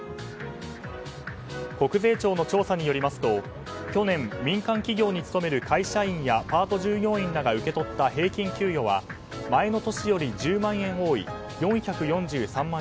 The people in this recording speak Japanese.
国税庁の調査によりますと去年、民間企業に勤める会社員やパート従業員らが受け取った平均給与は前の年より１０万円多い４４３万